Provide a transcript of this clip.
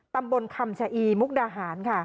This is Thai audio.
ตำบลคำชะอีมุกดาหารค่ะ